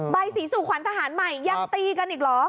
ใบสีสู่ขวัญทหารใหม่ยังตีกันอีกเหรอ